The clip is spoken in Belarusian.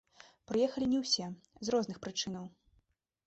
Прыехалі не ўсе, з розных прычынаў.